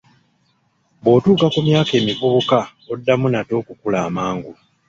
Bw'otuuka ku myaka emivubuka oddamu nate okukula amangu.